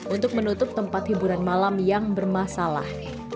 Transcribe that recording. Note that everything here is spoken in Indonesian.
untuk menutup tempat hiburan malam yang bermasalah